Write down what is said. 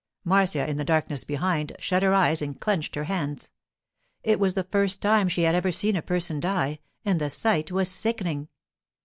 Marcia, in the darkness behind, shut her eyes and clenched her hands. It was the first time she had ever seen a person die, and the sight was sickening.